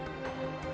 dia juga menangis